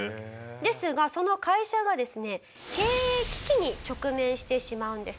ですがその会社がですね経営危機に直面してしまうんです。